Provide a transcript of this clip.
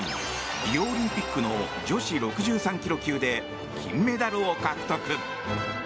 リオオリンピックの女子６３ｋｇ級で金メダルを獲得。